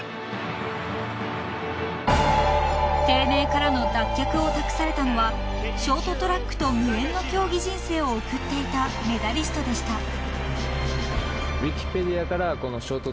［低迷からの脱却を託されたのはショートトラックと無縁の競技人生を送っていたメダリストでした］